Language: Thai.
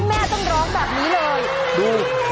อันนี้แม่ต้องร้องแบบนี้เลย